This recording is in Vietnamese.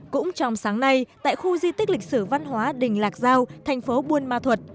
cũng trong sáng nay tại khu di tích lịch sử văn hóa đình lạc giao thành phố buôn ma thuật